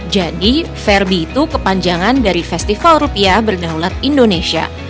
jadi fairbee itu kepanjangan dari festival rupiah berdahulat indonesia